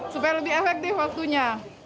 supaya lebih efektif waktunya